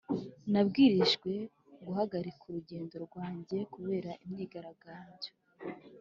nabwirijwe guhagarika urugendo rwanjye kubera imyigaragambyo.